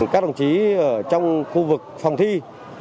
các đồng chí trong khu vực phòng thi